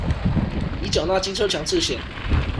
已繳納機車強制險